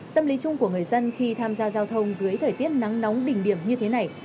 tâm lý chung của người dân khi tham gia giao thông dưới thời tiết nắng nóng đỉnh điểm như thế này